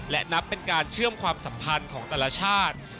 และนับเป็นการเชื่อมความสัมพันธ์ของแต่ละชาติ